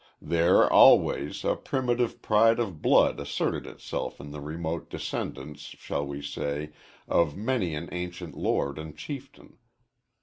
There, always, a primitive pride of blood asserted itself in the remote descendants, shall we say, of many an ancient lord and chieftain.